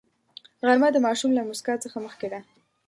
غرمه د ماشوم له موسکا څخه مخکې ده